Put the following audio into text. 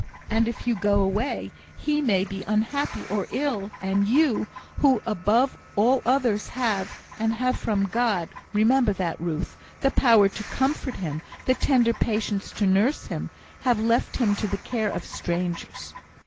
And if you go away, he may be unhappy or ill; and you, who above all others have and have from God remember that, Ruth! the power to comfort him, the tender patience to nurse him, have left him to the care of strangers.